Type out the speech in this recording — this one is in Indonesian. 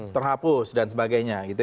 terhapus dan sebagainya gitu ya